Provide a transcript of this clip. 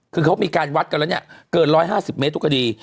คือเขามีการวัดกันแล้วเนี่ยเกิน๑๕๐เมตรทุกคดี